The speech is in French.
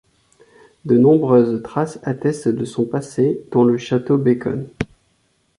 De nombreuses traces attestent de son passé dont le château Bacon.